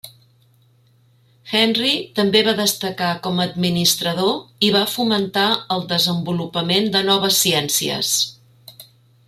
Henry també va destacar com a administrador i va fomentar el desenvolupament de noves ciències.